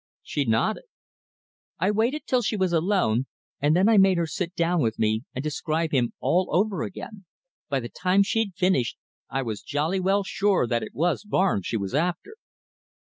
She nodded. "I waited till she was alone, and then I made her sit down with me and describe him all over again. By the time she'd finished, I was jolly well sure that it was Barnes she was after."